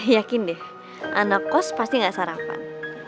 yakin deh anak kos pasti gak sarapan